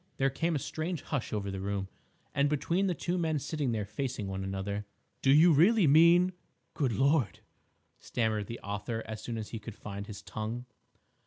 There came a strange hush over the room, and between the two men sitting there facing one another. "Do you really mean—Good Lord!" stammered the author as soon as he could find his tongue.